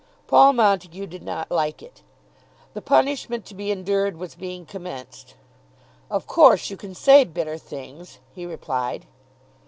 Paul Montague did not like it. The punishment to be endured was being commenced. "Of course you can say bitter things," he replied.